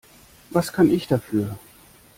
Was kann ich dafür?